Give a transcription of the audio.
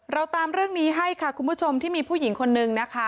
เราตามเรื่องนี้ให้ค่ะคุณผู้ชมที่มีผู้หญิงคนนึงนะคะ